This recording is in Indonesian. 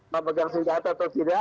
memegang senjata atau tidak